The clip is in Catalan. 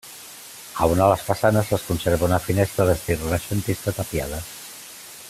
A una de les façanes es conserva una finestra d'estil renaixentista tapiada.